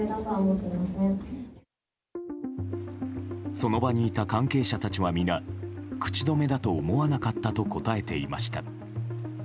その場にいた関係者たちは皆口止めだと思わなかったと答えていました。